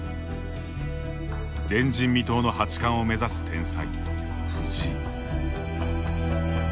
前人未到の八冠を目指す天才・藤井。